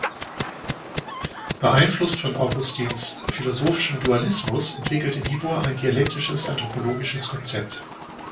Beeinflusst von Augustins philosophischem Dualismus entwickelte Niebuhr ein dialektisches anthropologisches Konzept.